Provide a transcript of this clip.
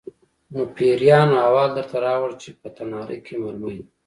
_نو پېريانو احوال درته راووړ چې په تناره کې مرمۍ ده؟